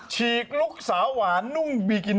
ฉีกลุกสาหวานนุ่งบิกินนี่